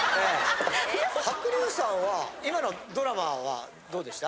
白竜さんは今のドラマはどうでした？